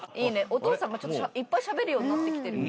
お父さんもちょっといっぱいしゃべるようになってきてる。